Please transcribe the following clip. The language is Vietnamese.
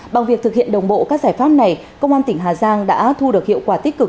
bằng việc thực hiện đồng bộ các giải pháp này công an tỉnh hà giang đã thu được hiệu quả tích cực